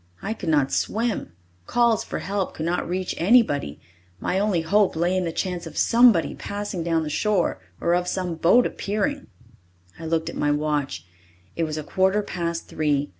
I could not swim; calls for help could not reach anybody; my only hope lay in the chance of somebody passing down the shore or of some boat appearing. I looked at my watch. It was a quarter past three.